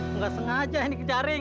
nggak sengaja ini ke jaring